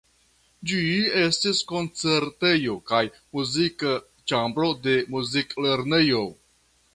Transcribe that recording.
Ĝi estis koncertejo kaj muzika ĉambro de muziklernejo.